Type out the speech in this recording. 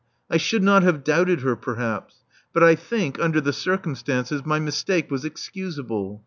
I should not have doubted her, perhaps; but I think, under the circumstances, my mistake was excusable.